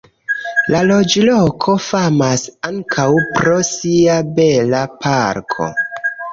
La loĝloko famas ankaŭ pro sia bela parko.